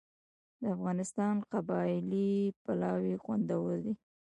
د افغانستان قابلي پلاو خوندور دی